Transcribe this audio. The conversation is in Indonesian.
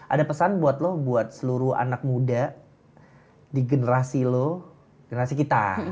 ada pesan buat lo buat seluruh anak muda di generasi lo generasi kita